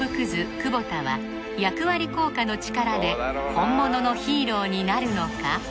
久保田は役割効果の力で本物のヒーローになるのか？